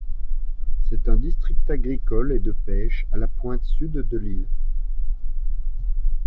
C'est un district agricole et de pêche à la pointe sud de l'île.